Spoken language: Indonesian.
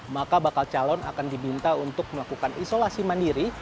maka bakal calon akan diminta untuk melakukan isolasi mandiri